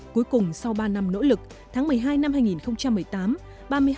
cuối cùng sau ba năm nỗ lực tháng một mươi hai năm hai nghìn một mươi tám